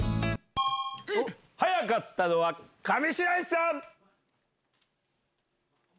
早かったのは、上白石さん。